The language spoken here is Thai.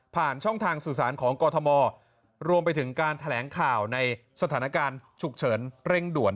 ช่องทางสื่อสารของกรทมรวมไปถึงการแถลงข่าวในสถานการณ์ฉุกเฉินเร่งด่วน